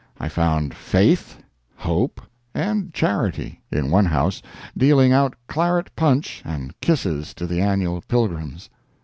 I found Faith, Hope and Charity in one house, dealing out claret punch and kisses to the annual pilgrims.